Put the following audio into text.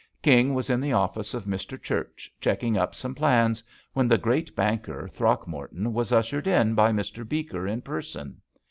King was in the office of Mr. Church checking up some plans, when the great banker, Throck morton, was ushered in by Mr. Beeker in person.